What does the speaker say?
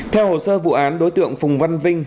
theo hồ sơ vụ án đối tượng phùng văn vinh